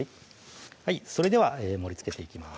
それでは盛りつけていきます